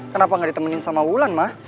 kenapa gak ditemenin sama wulan ma